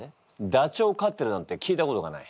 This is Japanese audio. ダチョウを飼ってるなんて聞いたことがない。